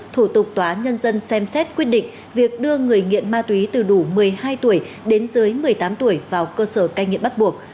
thủ tục tòa án nhân dân xem xét quyết định việc đưa người nghiện ma túy từ đủ một mươi hai tuổi đến dưới một mươi tám tuổi vào cơ sở cai nghiện bắt buộc